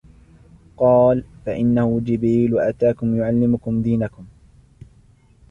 قالَ: فَإِنَّهُ جِبْرِيلُ أَتَاكُمْ يُعَلِّمُكُمْ دِينَكُمْ